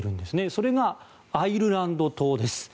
それがアイルランド島です。